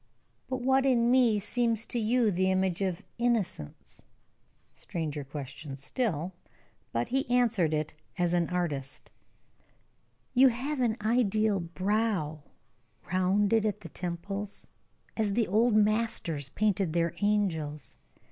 "But what in me seems to you the image of 'Innocence?'" Stranger question still. But he answered as an artist: "You have an ideal brow, rounded at the temples as the old masters painted their angels.